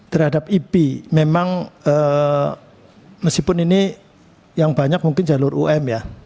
terhadap ipi memang meskipun ini yang banyak mungkin jalur um ya